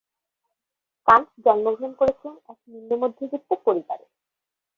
Kant জন্মগ্রহণ করেছিলেন এক নিম্ন মধ্যবিত্ত পরিবারে।